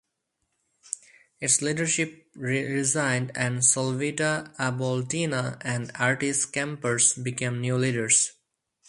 Its leadership resigned, and Solvita Aboltina and Artis Kampars became new leaders.